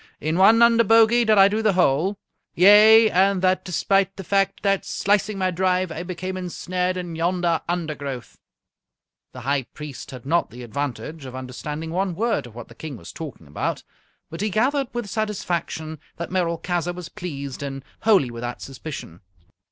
In one under bogey did I do the hole yea, and that despite the fact that, slicing my drive, I became ensnared in yonder undergrowth." The High Priest had not the advantage of understanding one word of what the King was talking about, but he gathered with satisfaction that Merolchazzar was pleased and wholly without suspicion.